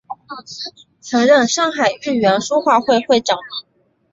曾任上海豫园书画会会长。